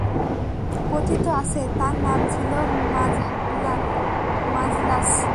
কথিত আছে তার নাম ছিল মাজলাছ।